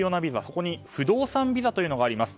ここに不動産ビザというのがあります。